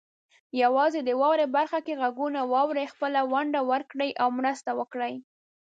یوازې د "واورئ" برخه کې غږونه واورئ، خپله ونډه ورکړئ او مرسته وکړئ.